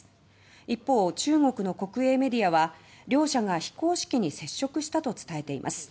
一方、中国の国営メディアは両者が非公式に接触したと伝えています。